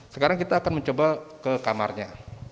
sekarang kita akan mencoba ke kamarnya